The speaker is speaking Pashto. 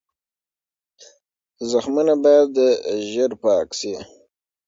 زخمونه باید زر پاک شي.